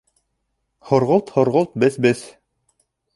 — Һорғолт, һорғолт, бес-бес!